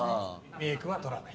メイクは取らない。